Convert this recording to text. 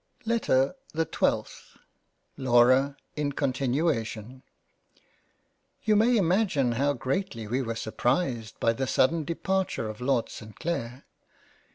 LETTER the 12th LAURA in continuation YOU may imagine how greatly we were surprised by the sudden departure of Lord St Clair.